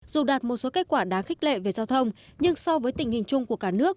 dù đạt một số kết quả đáng khích lệ về giao thông nhưng so với tình hình chung của cả nước